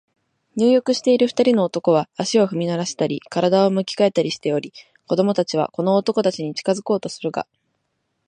入浴している二人の男は、足を踏みならしたり、身体を向き変えたりしており、子供たちはこの男たちに近づこうとするが、